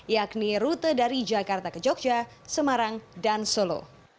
yakni rute dari jakarta ke jogja semarang dan solo